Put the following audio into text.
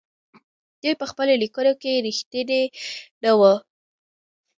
دوی په خپلو ليکنو کې رښتيني نه وو.